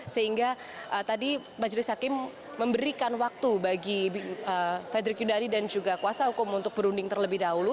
sehingga tadi majelis hakim memberikan waktu bagi frederick yunadi dan juga kuasa hukum untuk berunding terlebih dahulu